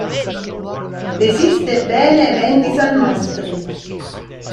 Resiste bene ai venti salmastri.